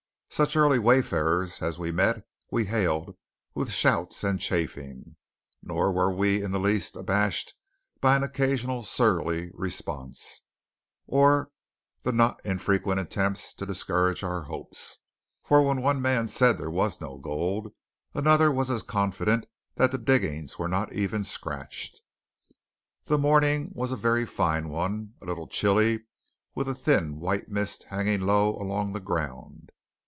Such early wayfarers as we met, we hailed with shouts and chaffing; nor were we in the least abashed by an occasional surly response, or the not infrequent attempts to discourage our hopes. For when one man said there was no gold, another was as confident that the diggings were not even scratched. The morning was a very fine one; a little chilly, with a thin white mist hanging low along the ground.